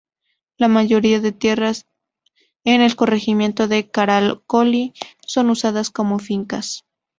La mayoría de tierras en el corregimiento de Caracolí, son usadas como fincas.